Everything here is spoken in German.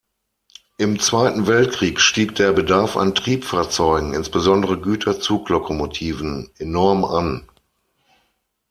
Im Zweiten Weltkrieg stieg der Bedarf an Triebfahrzeugen, insbesondere Güterzug-Lokomotiven, enorm an.